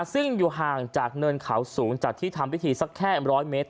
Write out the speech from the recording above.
ซึ่งอยู่ห่างจากเนินเขาสูงจากที่ทำพิธีสักแค่๑๐๐เมตร